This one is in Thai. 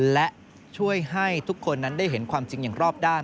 และช่วยให้ทุกคนนั้นได้เห็นความจริงอย่างรอบด้าน